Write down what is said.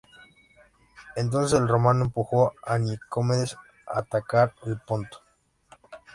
Entonces el romano empujó a Nicomedes a atacar el Ponto.